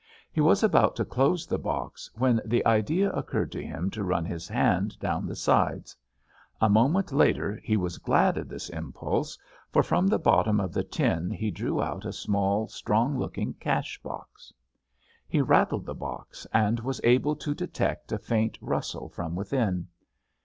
He was about to close the box, when the idea occurred to him to run his hand down the sides. A moment later he was glad of this impulse, for from the bottom of the tin he drew up a small, strong looking cash box. He rattled the box, and was able to detect a faint rustle from within.